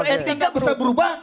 etika bisa berubah